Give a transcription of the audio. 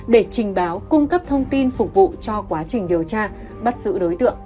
để trình báo cung cấp thông tin phục vụ cho quá trình điều tra bắt giữ đối tượng